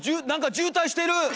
なんか渋滞してる！